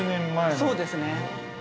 ◆そうですね。